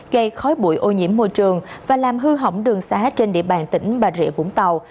gây khói bụi ô nhiễm môi trường và làm hư hỏng đường xá trên địa bàn tỉnh bà rịa vũng tàu